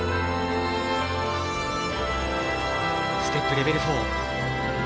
ステップレベル４。